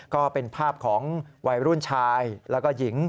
ก็เป็นภาพของวัยรุ่นชายแล้วก็หญิง